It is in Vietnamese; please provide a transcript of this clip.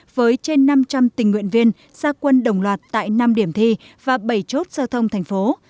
với trên năm trăm linh tình nguyện viên gia quân đồng loạt tại năm điểm thi và bảy chốt giao thông thành phố